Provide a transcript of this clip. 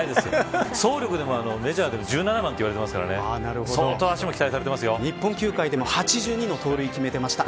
走力でも、メジャーでは１７番と言われていますから日本球界でも８２の盗塁を決めていました。